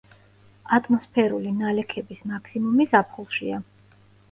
ატმოსფერული ნალექების მაქსიმუმი ზაფხულშია.